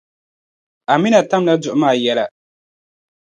Amina tamla duɣu maa yɛla.